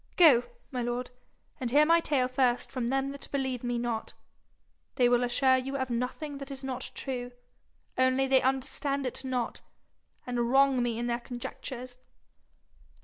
Go, my lord, and hear my tale first from them that believe me not. They will assure you of nothing that is not true, only they understand it not, and wrong me in their conjectures.